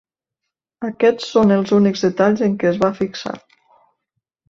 Aquests són els únics detalls en què es va fixar.